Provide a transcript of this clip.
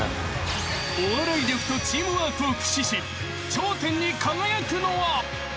［お笑い力とチームワークを駆使し頂点に輝くのは］